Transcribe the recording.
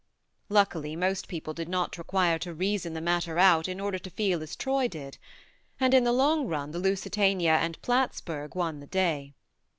Luckily most people did not require to reason the matter out in order to feel as Troy did, and in the long run the Lusitania and Plattsburg won the day.